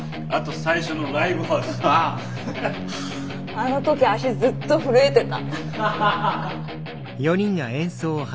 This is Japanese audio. あの時足ずっと震えてた。